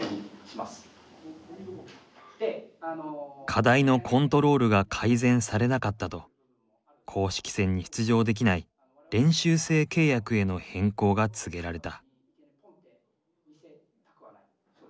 課題のコントロールが改善されなかったと公式戦に出場できない練習生契約への変更が告げられた。